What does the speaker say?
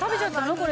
これ」